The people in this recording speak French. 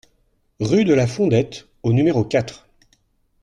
Rue de la Fondette au numéro quatre